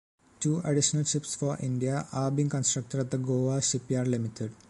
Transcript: Two additional ships for India are being constructed at the Goa Shipyard Limited.